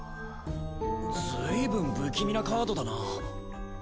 ずいぶん不気味なカードだな。